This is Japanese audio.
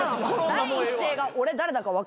第一声が「俺誰だか分かる？」